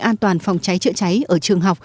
an toàn phòng cháy chữa cháy ở trường học